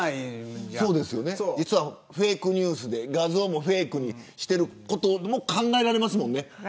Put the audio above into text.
実はフェイクニュースで画像もフェイクにしていることも考えられますよね。